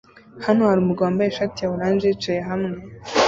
Hano hari umugabo wambaye ishati ya orange yicaye hamwe